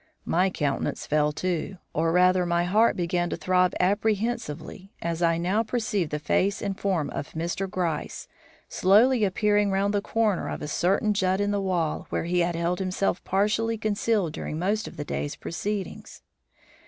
My countenance fell too, or rather my heart began to throb apprehensively as I now perceived the face and form of Mr. Gryce slowly appearing round the corner of a certain jut in the wall where he had held himself partially concealed during most of the day's proceedings.